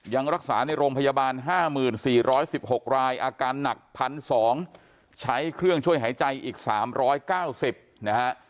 ยังรักษาในโรงพยาบาล๕๔๑๖รายอาการหนัก๑๒๐๐ใช้เครื่องช่วยหายใจอีก๓๙๐นะฮะ